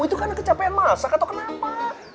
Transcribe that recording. itu karena kecapean masak atau kenapa